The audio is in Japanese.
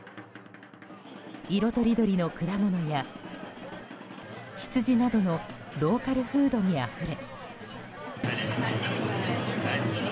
色とりどりの果物や羊などのローカルフードにあふれ。